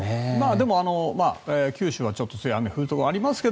でも、九州はちょっと強い雨が降るところありますが。